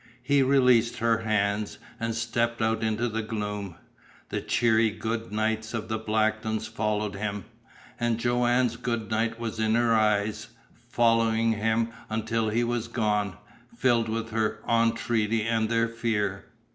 He released her hands, and stepped out into the gloom. The cheery good nights of the Blacktons followed him. And Joanne's good night was in her eyes following him until he was gone, filled with their entreaty and their fear.